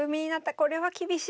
これは厳しい。